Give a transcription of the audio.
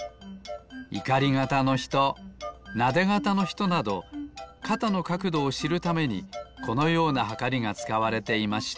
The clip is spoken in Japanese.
いかり肩のひとなで肩のひとなど肩のかくどをしるためにこのようなはかりがつかわれていました。